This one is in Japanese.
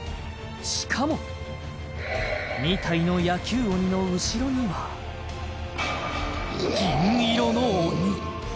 しかも２体の野球鬼の後ろには銀色の鬼